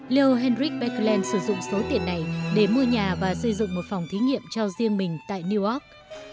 leo henrich bạc kỳ lên sử dụng số tiền này để mua nhà và sử dụng một phòng thí nghiệm cho riêng mình tại newark